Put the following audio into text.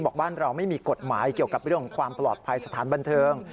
บ้านเราไม่มีกฎหมายเกี่ยวกับเรื่องของความปลอดภัยสถานบันเทิง